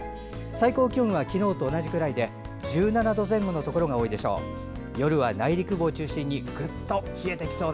最高気温は昨日と同じくらいで１７度前後のところが多いでしょう。